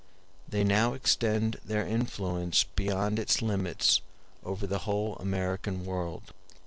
They now extend their influence beyond its limits over the whole American world.